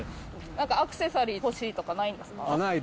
なんかアクセサリー欲しいとか、ないんですか？